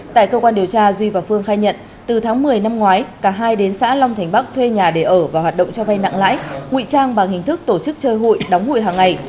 tại cơ quan điều tra duy và phương khai nhận từ tháng một mươi năm ngoái cả hai đến xã long thành bắc thuê nhà để ở và hoạt động cho vay nặng lãi nguy trang bằng hình thức tổ chức chơi hụi đóng hụi hàng ngày